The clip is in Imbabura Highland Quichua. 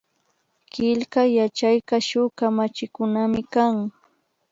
Killkay yachayka shuk kamachikunamikan